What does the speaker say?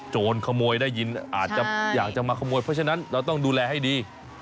โจรขโมยได้ยินอาจจะอยากจะมาขโมยเพราะฉะนั้นเราต้องดูแลให้ดี